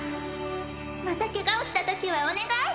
またケガをしたときはお願い！